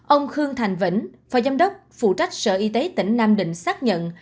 ông khương thành vĩnh phó giám đốc phụ trách sở y tế tỉnh nam định xác nhận